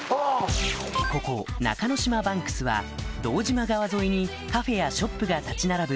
ここ中之島バンクスは堂島川沿いにカフェやショップが立ち並ぶ